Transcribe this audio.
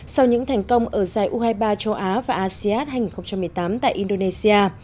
sau những thành công ở giải u hai mươi ba châu á và asean hai nghìn một mươi tám tại indonesia